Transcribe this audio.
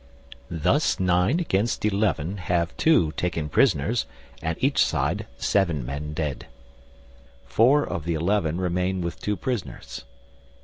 Thus nine against eleven have two taken prisoners, and each side seven men dead. Four of the eleven remain with two prisoners.